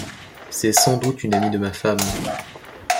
C’est sans doute une amie de ma femme.